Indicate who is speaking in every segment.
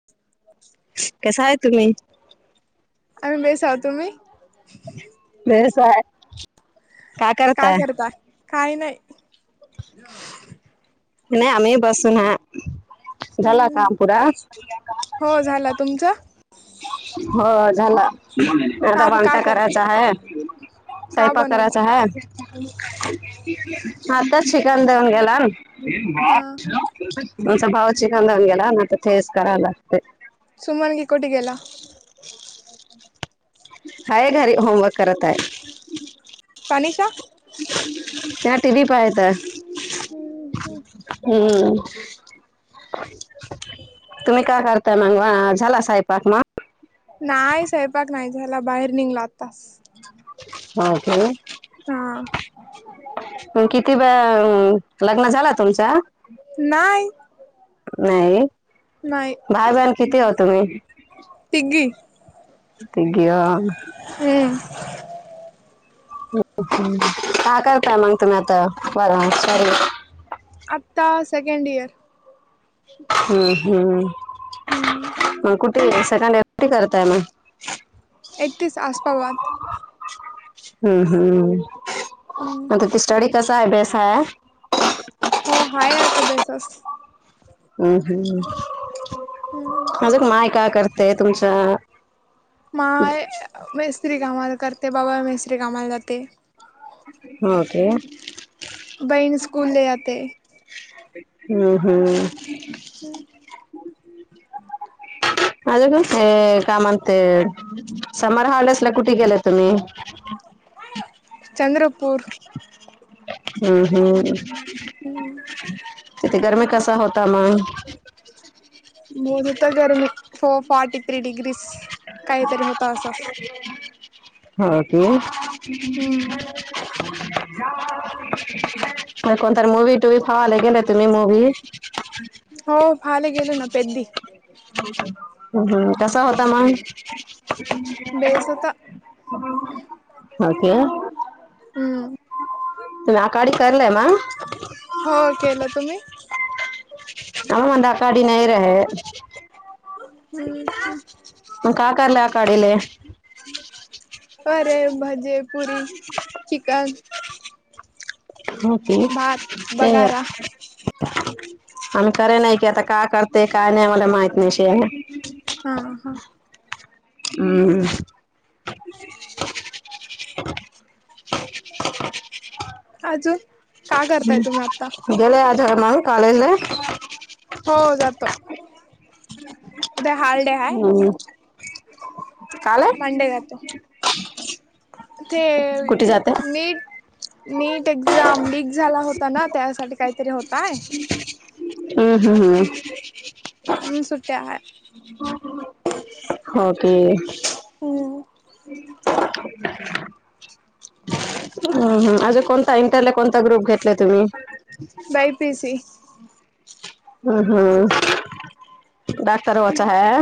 Speaker 1: [inaudible]
Speaker 2: कस आहेय तुम्ही?
Speaker 1: आम्ही बेस हाव, तुम्ही?
Speaker 2: बेस आहे.
Speaker 1: का करता? काही नाही.
Speaker 2: नाही आम्ही बसून हा, झाला
Speaker 1: हम्म
Speaker 2: काम पुरा.
Speaker 1: हो झाला तुमचं
Speaker 2: हो झाला आता
Speaker 1: का का
Speaker 2: वांटा
Speaker 1: कर
Speaker 2: करायचा हाये.
Speaker 1: का
Speaker 2: सईपाक
Speaker 1: बनवता
Speaker 2: करायचा हाय आताच चिकन देऊन गेला न
Speaker 1: हा हा
Speaker 2: तुमचा भाऊ चिकन देऊन गेला न आता तेच कराला लागते.
Speaker 1: सुमन गे कुठे गेला?
Speaker 2: हाये घरी होमवर्क करत आहे.
Speaker 1: तानिशा
Speaker 2: त्या टीव्ही पाहत हाये. हम्म. तुम्ही का करताय मंगवा झाला सईपाक मग?
Speaker 1: नाय स्वयंपाक नाही झाला बाहेर निगलो आतास.
Speaker 2: हो के
Speaker 1: हा
Speaker 2: किती वेअअम लग्न झाला तुमचा?
Speaker 1: नाही
Speaker 2: नाही,
Speaker 1: नाही
Speaker 2: भाई बहन किती ओ तुम्ही?
Speaker 1: तिघी.
Speaker 2: तिघी ओ
Speaker 1: हम्म.
Speaker 2: काय करता मंग तुम्ही आता [unintelligible]
Speaker 1: आत्ता सेकंड इयर
Speaker 2: हम्म, हम्म म कुठ ते सेकंड इयर कुठे करताय म
Speaker 1: एकतीस आसपावाद
Speaker 2: हम्म हम्म
Speaker 1: हम्म
Speaker 2: म ते स्टडी कसाय बेस हाय?
Speaker 1: हो हाय आता बेसस.
Speaker 2: हम्म हम्म
Speaker 1: हम्म
Speaker 2: अजूक माय काय करते तुमच?
Speaker 1: माय मिस्त्री कामाला करते बाबा मिस्त्री कामाला जाते.
Speaker 2: हो के.
Speaker 1: बहीण स्कूले आते.
Speaker 2: हम्म, हम्म.
Speaker 1: [inaudible]
Speaker 2: अजूक हे काय म्हणते समर हॉलिडेजला कुठे गेले तुम्ही?
Speaker 1: चंद्रपूर.
Speaker 2: हम्म हम्म,
Speaker 1: हम्म
Speaker 2: तिथे गरमीे कसा होता मंग?
Speaker 1: बहुत होता गर्मी फो फोर्टी-थ्री डिग्रिस.
Speaker 2: [inaudible] हा तो
Speaker 1: हम्म
Speaker 2: [inaudible] कोणतरी मूवी टूवी फवाला गेले तुम्ही मूवी.
Speaker 1: हों [inaudible]
Speaker 2: हुं कसा होता माय? [inaudible]
Speaker 1: बेस होता
Speaker 2: हां के
Speaker 1: हुं.
Speaker 2: तु आकाडी करलं ना?
Speaker 1: हो केलं तुम्ही?
Speaker 2: आव अंदा आकाडी नाही रहे. म का कारला आकाडीले?
Speaker 1: परे भजे पुरी चिकन.
Speaker 2: हो के
Speaker 1: भात
Speaker 2: ते
Speaker 1: बगारा हा
Speaker 2: आम्ही करे नाही कि आता का करते काय नाही मला माहित नाहीशे.
Speaker 1: हां हां.
Speaker 2: हां हां.
Speaker 1: [inaudible] आज
Speaker 2: हुं गेला का धम्रा कालेजला?
Speaker 1: हो जातो उद्या हाॅलडे हाय.
Speaker 2: काल
Speaker 1: ते नीट नीट एक्झाम लीक झाला होता ना त्यासाठी काहीतरी होताय.
Speaker 2: अहां हां
Speaker 1: हुं सुट्या हाय
Speaker 2: [inaudible] हो ते
Speaker 1: होय ओं
Speaker 2: हं हं अजून कोणता इंटरला कोणता ग्रुप घेतलाय तुम्ही?
Speaker 1: बाय पी सी
Speaker 2: अहं डाक्टर वाचा हाय.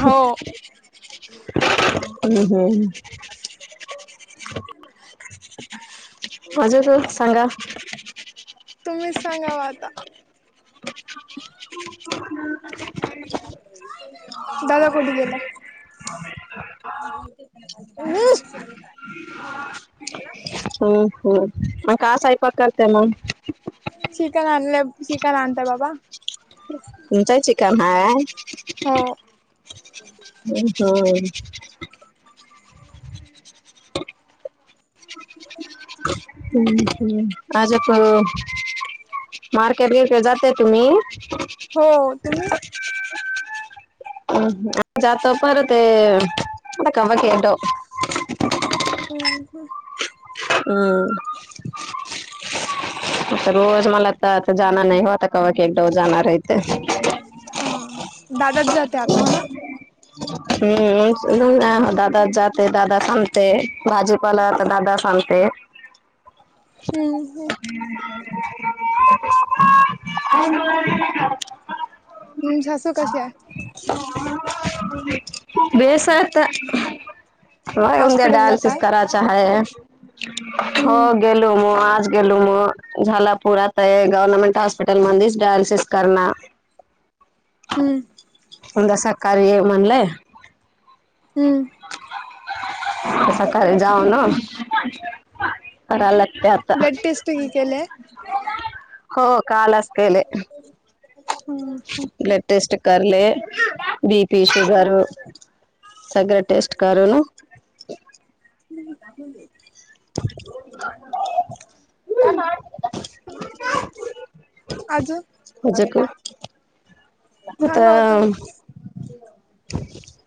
Speaker 1: हों.
Speaker 2: हुं हुं. [inaudible] अजून काय सांगा?
Speaker 1: तुम्हीच सांगावा आता.
Speaker 2: [inaudible]
Speaker 1: [inaudible] दादा कोठी गेला?
Speaker 2: [inaudible]
Speaker 1: [inaudible]
Speaker 2: हुं हुं आता सयपाक करते मग
Speaker 1: चिकन आणले, चिकन आणतां बाबा?
Speaker 2: [inaudible] तुमचांहि चिकन हाय? [inaudible]
Speaker 1: हो
Speaker 2: होयं तर [inaudible]
Speaker 1: [inaudible]
Speaker 2: हूं हूं आज आप मार्केट [unintelligible] जाता तुम्ही
Speaker 1: हो तुम्ही
Speaker 2: जातो पर ते [unintelligible]
Speaker 1: हूं ह
Speaker 2: अम्म आता रोज मला त जाण नाय होत आता कवा क एकदा जाणार ये. [inaudible]
Speaker 1: हा दादाच जात आता हो ना
Speaker 2: हम्म [unintelligible] दादा जात दादाचं आणतय भाजू पाला आता दादाचं आणतंय.
Speaker 1: हम्म हम्
Speaker 2: [unintelligible]
Speaker 1: हम्म, झासू कशी आय?
Speaker 2: बेस हाय आता हा उंद्या
Speaker 1: हॉस्पिटल
Speaker 2: डायलसिस
Speaker 1: जाताय
Speaker 2: कराचा हाय, हो
Speaker 1: हम्म
Speaker 2: गेलो म आज गेलो हो झाला पुरा आता गव्हर्नमेंट हॉस्पिटल मंधीच डायलिसिस करणार
Speaker 1: हूं
Speaker 2: उंद्या सकाळी य म्हणलं
Speaker 1: हूं
Speaker 2: [unintelligible] सकाळी जाऊ न कराय लागतय आता,
Speaker 1: ब्लड टेस्ट केले
Speaker 2: हो कालच केले.
Speaker 1: हूं हूं
Speaker 2: ब्लड टेस्ट करले, बी पी, शुगर सगळं टेस्ट करल
Speaker 1: [unintelligible] आजुन
Speaker 2: तूझ का
Speaker 1: सांगा ओ तुम्ही
Speaker 2: [inaudible]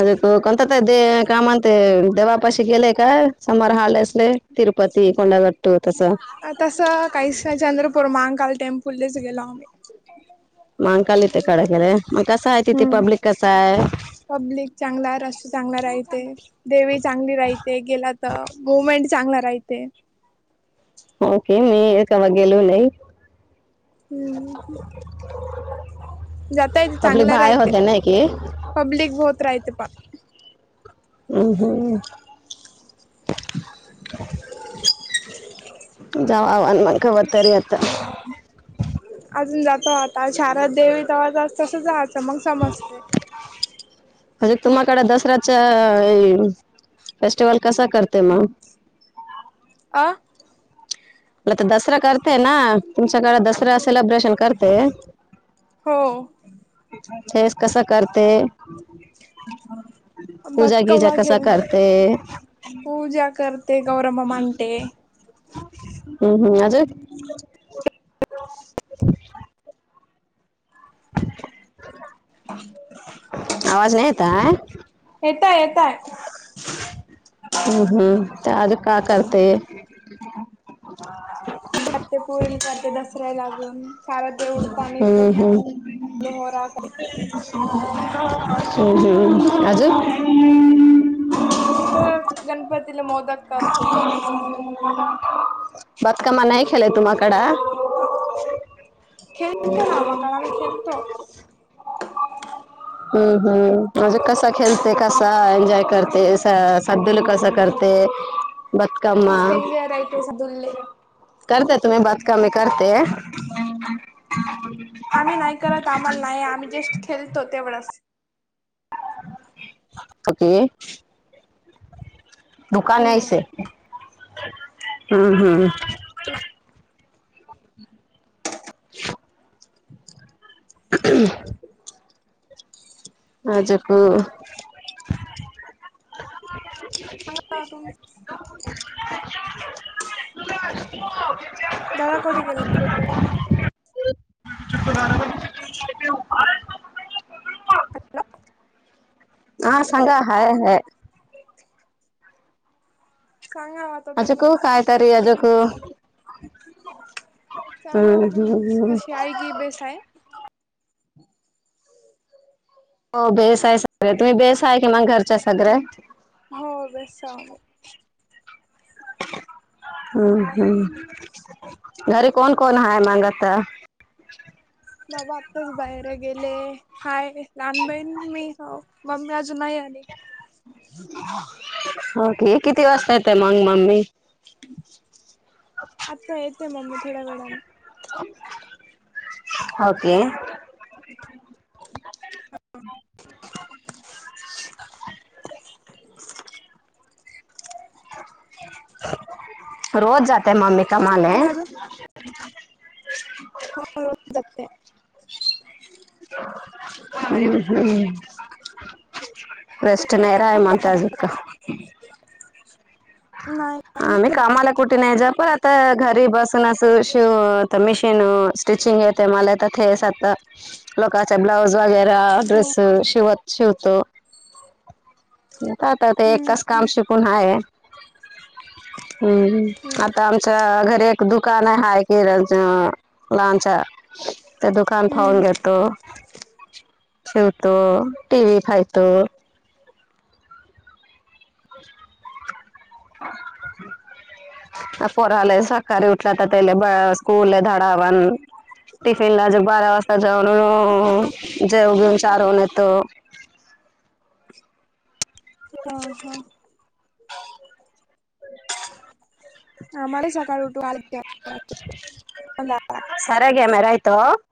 Speaker 2: अ कोणता त दे कामा ते दवापाशी गेलय का समोर हाल असले तिरूपती, कोंडागट्टू तसं
Speaker 1: तसं काहीचं नाय चंद्रपूर मांकाल टेम्पूलांच गेलो आम्ही
Speaker 2: महांकाल [unintelligible] म कसा हाय तिथे
Speaker 1: हम्म
Speaker 2: पब्लिक कसा हाय.
Speaker 1: पब्लिक चांगलाय, रस्ता चांगला राइते. देवी चांगली राईते, गेला त मुमेंट चांगला राइते.
Speaker 2: हो के, मी कवा गेलो नाई.
Speaker 1: हम्म जाता येते
Speaker 2: पब्लिक
Speaker 1: चांगला
Speaker 2: भायरं
Speaker 1: राहते
Speaker 2: होता ना की,
Speaker 1: पब्लिक बहोत रायते पा
Speaker 2: हम् हम्म [unintelligible]
Speaker 1: [inaudible]
Speaker 2: जावा आणं मंग कवा तर आता
Speaker 1: अजून जातो आता शारद देवी तव्हा जा तसं जाआचं मंग समजतय.
Speaker 2: आता तुम्हाकड दसऱ्याच फेस्टिवल कसा करते म
Speaker 1: अं
Speaker 2: तर दसरा करते ना तुमच्याकडे दस सऱ्याला सेलब्रेशन करते
Speaker 1: हो
Speaker 2: तेच कसं करते? पुजा गीजा
Speaker 1: बतकवा
Speaker 2: कसा
Speaker 1: खेल
Speaker 2: करते?
Speaker 1: पूजा करते गौर मामा आणते
Speaker 2: हम्म हम्म अजून आवाज नाही यताय?
Speaker 1: येताय, येताय.
Speaker 2: हम्, हम्म. ते आजूक का करते? [inaudible]
Speaker 1: करते पुरील करते. दसऱ्या लागून. कारण ते उडतानी फुल
Speaker 2: हम्म हम्म
Speaker 1: लोहरा [unintelligible]
Speaker 2: हम्म, हम्म. अजून?
Speaker 1: तर गणपतीला मोदक करते.
Speaker 2: बातकामा नाही खेलय तुमाकड.
Speaker 1: खेत ना म काळमे खेलतो.
Speaker 2: हम्म, हम्म. म्हणजे कसा खेळते? कसा एन्जॉय करते? असा. कद्दल कसं करते? ब
Speaker 1: अ सेंजेरय ते सदुल्ले.
Speaker 2: करते तुम्ही बातकामी करते.
Speaker 1: आम्ही नाही करत. आम्हाला नाही. आम्ही जस्ट खेळतो, तेवढंच.
Speaker 2: कुठे?
Speaker 1: हम्म
Speaker 2: दुकानाइसे. हम्म, हम्म.
Speaker 1: ना.
Speaker 2: [inaudible]
Speaker 1: [inaudible]
Speaker 2: [inaudible] आज को
Speaker 1: पण आता तुम्ही दादा कोठे गेला? हॅलो.
Speaker 2: हा सांगा. हाय, हाय.
Speaker 1: सांगावात.
Speaker 2: अज क काय तरी अजक. हम्म,
Speaker 1: सांगा
Speaker 2: हम्म,
Speaker 1: तुम्ही
Speaker 2: हम्.
Speaker 1: कशी आई की बेस हाय.
Speaker 2: हो बेस हाय सगळ्या. तुम्ही बेस हाय की, मग घरच्या सगऱ्या.
Speaker 1: हो, बेस हाव मी.
Speaker 2: हम, हम्. घरी कोण - कोण हाय मग आता?
Speaker 1: बाबा, आत्ताच बाहेर गेले. हाय. लहान बहीण, मी. ह मम्मी अजून नाही आली.
Speaker 2: हो, कि. किती वाजता, येतय मंग मम्मी?
Speaker 1: आता येते मम्मी. थोड्या वेळानं.
Speaker 2: ओके. रोज जाते मम्मी कामाले?
Speaker 1: हो, रोज जाते.
Speaker 2: [unintelligible] [unintelligible]
Speaker 1: नाही.
Speaker 2: आम्ही कामाला कुठे नाही, जा पण आता घरी बसून शिव मशीन स्टिचिंग ये लोकांचे ब्लॉउज येतं.
Speaker 1: हम्म
Speaker 2: ड्रेस अ शिवत शिवतो. आता ते एकचं काम
Speaker 1: हम्म
Speaker 2: शिकून हाय. हम्म, आता आमच्या घरी एक दुकानं हाय किरणचं लांबच. ते दुकान पाहून
Speaker 1: हम्म
Speaker 2: घेतो, शिवतो, टी व्ही फायतो. [unintelligible] [unintelligible] टिफिन लंच बारा वाजता जाऊन जेवण चारून येतो.
Speaker 1: हं हं. [unintelligible]
Speaker 2: [unintelligible]